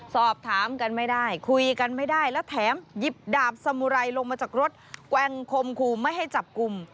สอบถามกันไม่ได้คุยกันไม่ได้และแถมหยิบดาบสมุไรลงมาจากรถแกว่งคมคู่ไม่ให้จับกลุ่ม